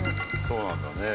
そうなんだね。